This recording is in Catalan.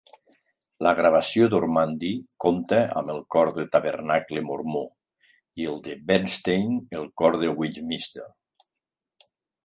La gravació d'Ormandy compta amb el cor del Tabernacle Mormó i el de Bernstein, el cor de Westminster.